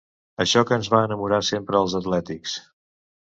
Això que ens va enamorar sempre als atlètics.